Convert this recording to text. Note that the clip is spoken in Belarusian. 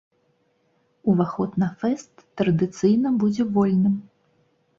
Уваход на фэст традыцыйна будзе вольным.